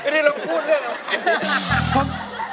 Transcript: เรียนละคุณพูดเรื่องอะไร